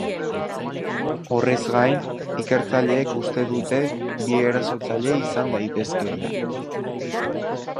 Horrez gain, ikertzaileek uste dute bi erasotzaile izan daitezkeela.